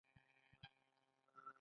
د کوشانیانو پلازمینه بګرام او پیښور و